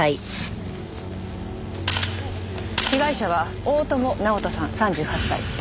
被害者は大友直登さん３８歳。